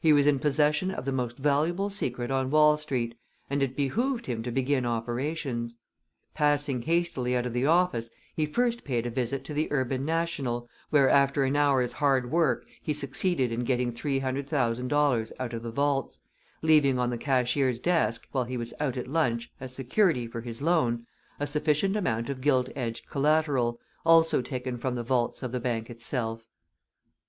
He was in possession of the most valuable secret on Wall Street, and it behooved him to begin operations. Passing hastily out of the office, he first paid a visit to the Urban National, where after an hour's hard work he succeeded in getting $300,000 out of the vaults, leaving on the cashier's desk, while he was out at lunch, as security for his loan, a sufficient amount of gilt edged collateral, also taken from the vaults of the bank itself.